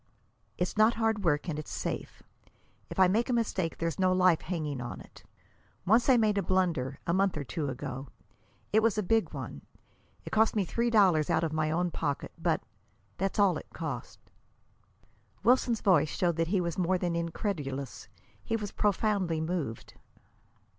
"It's not hard work, and it's safe. If I make a mistake there's no life hanging on it. Once I made a blunder, a month or two ago. It was a big one. It cost me three dollars out of my own pocket. But that's all it cost." Wilson's voice showed that he was more than incredulous; he was profoundly moved.